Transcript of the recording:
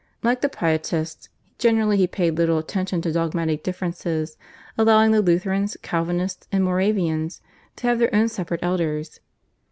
Like the Pietists generally he paid little attention to dogmatic differences, allowing the Lutherans, Calvinists, and Moravians to have their own separate elders.